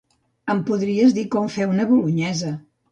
Em podries dir com fer una bolonyesa.